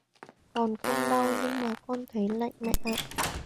Còn không đau nhưng mà con thấy lạnh mẹ ạ